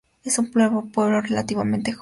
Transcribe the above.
Es un pueblo relativamente joven.